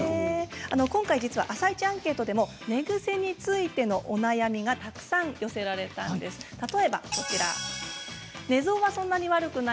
今回、実は「あさイチ」アンケートでも寝ぐせについてのお悩みがたくさん寄せられました。